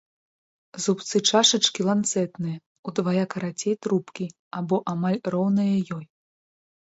Зубцы чашачкі ланцэтныя, удвая карацей трубкі або амаль роўныя ёй.